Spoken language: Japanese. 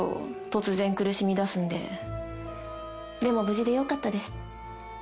突然苦しみだすんででも無事でよかったです